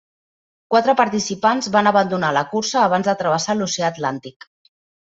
Quatre participants van abandonar la cursa abans de travessar l'oceà Atlàntic.